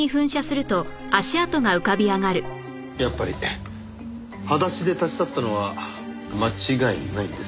やっぱり裸足で立ち去ったのは間違いないですね。